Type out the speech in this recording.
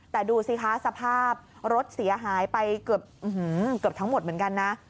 แต่ดูสิคะสภาพรถเสียหายไปเกือบทั้งหมดเหมือนกันนะ